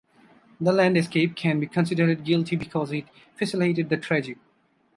The landscape can be considered guilty because it facilitated the tragic.